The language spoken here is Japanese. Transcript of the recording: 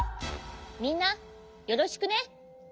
みんなよろしくね！